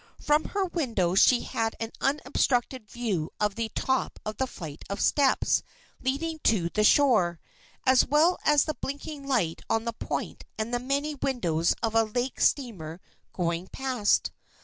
From her window she had an unobstructed view of the top of the flight of steps leading to the shore, as well as the blinking light on the point and the many windows of a lake steamer going past.